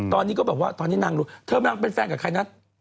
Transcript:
ตอนนี้ก็บอกว่าตอนนี้นั่งนั่งเป็นแฟนกับใครน่ะ